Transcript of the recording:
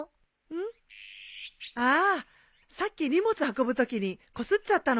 ああさっき荷物運ぶときにこすっちゃったのかな。